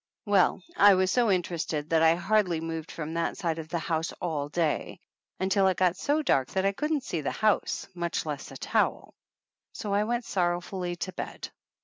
Well, I was so interested that I hardly moved from that side of the house all day, until it got so dark that I couldn't see the house, much less a towel. So I went sorrowfully to bed.